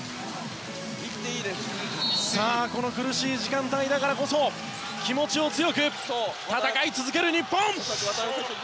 さあ、この苦しい時間帯だからこそ気持ちを強く、戦い続ける日本！